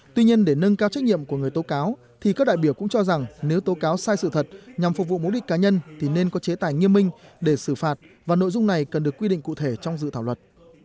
tuy nhiên để nâng cao trách nhiệm của người tố cáo thì các đại biểu cũng cho rằng nếu tố cáo sai sự thật nhằm phục vụ mục đích cá nhân thì nên có chế tài nghiêm minh để xử phạt và nội dung này cần được quy định cụ thể trong dự thảo luật